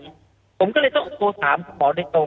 ผมก็ต้องต้องโทรศามคุณหมอได้ตรง